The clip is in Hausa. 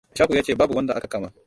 Ishakua yace babu wanda aka kama.